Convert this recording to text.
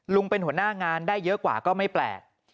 เป็นหัวหน้างานได้เยอะกว่าก็ไม่แปลก